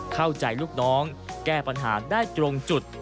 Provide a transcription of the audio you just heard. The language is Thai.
เข้าใจลูกน้องแก้ปัญหาได้ตรงจุด